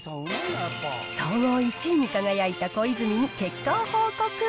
総合１位に輝いたコイズミに結果を報告。